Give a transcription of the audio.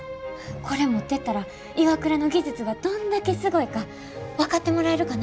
これ持ってったらＩＷＡＫＵＲＡの技術がどんだけすごいか分かってもらえるかな思て。